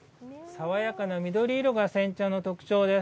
爽やかな緑色が煎茶の特徴です。